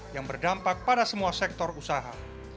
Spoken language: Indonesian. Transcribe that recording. yang berdampak pada semua sektor usaha